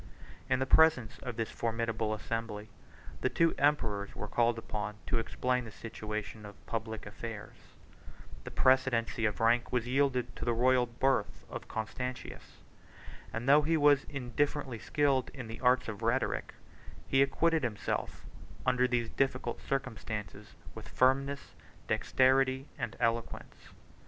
In the presence of this formidable assembly, the two emperors were called upon to explain the situation of public affairs: the precedency of rank was yielded to the royal birth of Constantius; and though he was indifferently skilled in the arts of rhetoric, he acquitted himself, under these difficult circumstances, with firmness, dexterity, and eloquence.